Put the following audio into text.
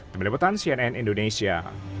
teman liputan cnn indonesia